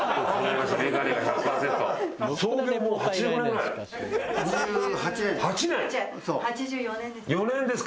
違う８４年です。